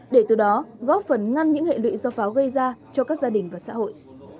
để từ đó góp phần ngăn những hệ lụy do pháo gây ra cho các gia đình và xã hội